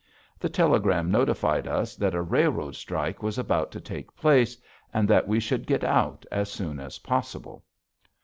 The telegram notified us that a railroad strike was about to take place and that we should get out as soon as possible.